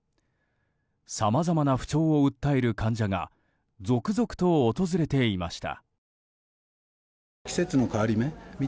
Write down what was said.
さまざまな不調を訴える患者が続々と訪れていました。